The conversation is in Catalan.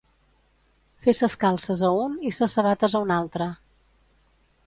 Fer ses calces a un i ses sabates a un altre.